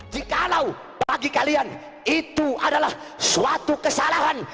jikalau bagi kalian itu adalah suatu kesalahan